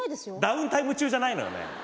ダウンタイム中じゃないのよねえ。